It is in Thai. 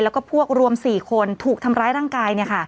แล้วก็พวกรวม๔คนถูกทำร้ายร่างกาย